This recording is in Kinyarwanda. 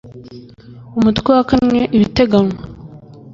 umutwe wa kane ibiteganywa